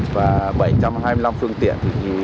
và bảy trăm hai mươi năm phương tiện